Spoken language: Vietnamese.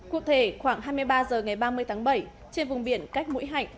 cụ thể khoảng hai mươi ba h ngày ba mươi tháng bảy trên vùng biển cách mũi hạnh